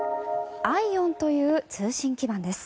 ＩＯＷＮという通信基盤です。